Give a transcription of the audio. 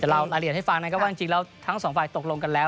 แต่เรารายละเอียดให้ฟังนะครับว่าจริงแล้วทั้งสองฝ่ายตกลงกันแล้ว